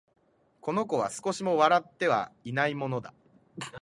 この子は、少しも笑ってはいないのだ